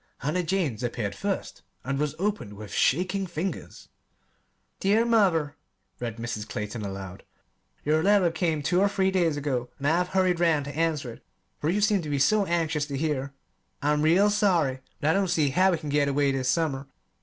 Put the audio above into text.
Hannah Jane's appeared first, and was opened with shaking fingers. Dear Mother [read Mrs. Clayton aloud]: Your letter came two or three days ago, and I have hurried round to answer it, for you seemed to be so anxious to hear. I'm real sorry, but I don't see how we can get away this summer.